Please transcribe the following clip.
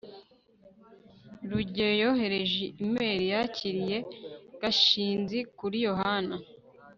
rugeyo yohereje imeri yakiriye gashinzi kuri yohana